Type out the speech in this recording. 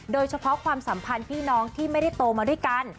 โดยเฉพาะความสัมพันธ์พี่น้องที่ไม่ได้โตมาด้วยกัน